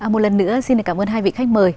một lần nữa xin cảm ơn hai vị khách mời